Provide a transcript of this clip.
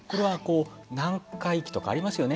何回忌とかありますよね。